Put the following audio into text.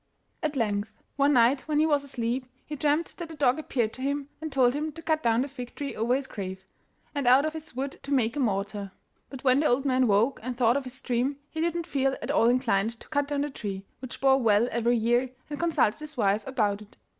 At length, one night when he was asleep, he dreamt that the dog appeared to him and told him to cut down the fig tree over his grave, and out of its wood to make a mortar. But when the old man woke and thought of his dream he did not feel at all inclined to cut down the tree, which bore well every year, and consulted his wife about it.